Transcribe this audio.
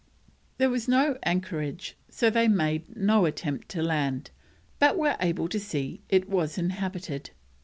There was no anchorage, so they made no attempt to land, but were able to see it was inhabited.